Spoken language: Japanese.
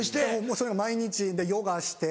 それが毎日でヨガして。